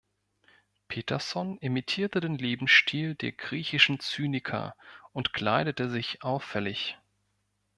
Peterson imitierte den Lebensstil der griechischen Zyniker und kleidete sich auffällig.